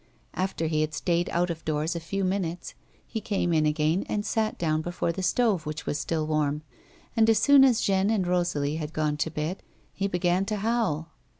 After he had 22S A WOMAN'S LIFE. stayed out of doors a few minutes he came in again and sat down before the stove which was still warm, and as soon as Jeanne and Rosalie had gone to bed he began to howl.